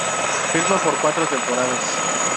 Firma por cuatro temporadas.